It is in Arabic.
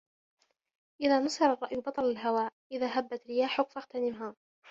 إذا نُصِرَ الرأي بطل الهوى إذا هَبَّتْ رياحك فاغتنمها